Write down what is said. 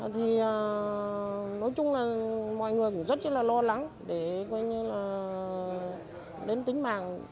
thì nói chung là mọi người cũng rất là lo lắng để coi như là đến tính mạng